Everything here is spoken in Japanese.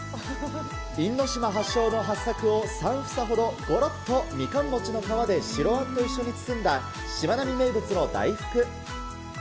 因島発祥のはっさくを３房ほど、ごろっとみかん餅の皮で白あんと一緒に包んだ、しまなみ名物の大福。